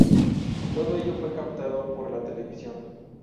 Todo ello fue captado por la televisión.